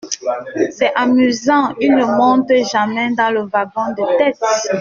C’est amusant, il ne monte jamais dans le wagon de tête.